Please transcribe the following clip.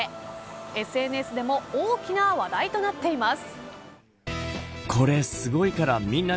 ＳＮＳでも大きな話題となっています。